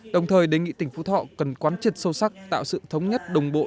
đồng thời đề nghị tỉnh phú thọ cần quán triệt sâu sắc tạo sự thống nhất đồng bộ